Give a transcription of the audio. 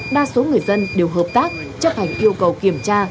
đa số người dân đều hợp tác chấp hành yêu cầu kiểm tra